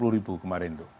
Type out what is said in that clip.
dua puluh ribu kemarin itu